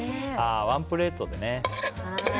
ワンプレートでね。